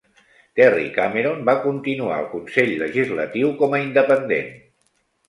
Terry Cameron va continuar al Consell Legislatiu com a independent.